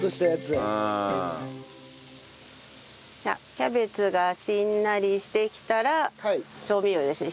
キャベツがしんなりしてきたら調味料ですね。